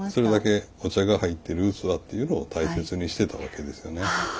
それだけお茶が入ってる器っていうのを大切にしてたわけですよね。